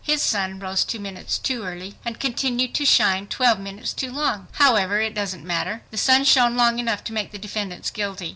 His sun rose two minutes too early and continued to shine twelve minutes too long! However, it doesn't matter. The sun shone long enough to make the defendants guilty.